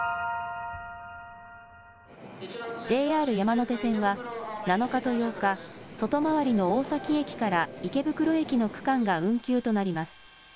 ＪＲ山手線は７日と８日、外回りの大崎駅から池袋駅の区間が運休となります。